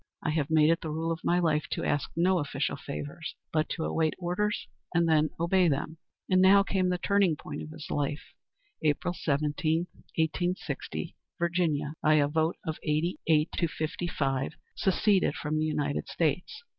I have made it the rule of my life to ask no official favors, but to await orders and then obey them." And now came the turning point of his life. April 17, 1860, Virginia, by a vote of eighty eight to fifty five, seceded from the United States.